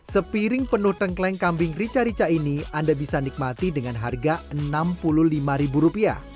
sepiring penuh tengkleng kambing rica rica ini anda bisa nikmati dengan harga rp enam puluh lima